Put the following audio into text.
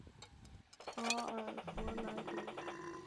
阿尔弗莱德？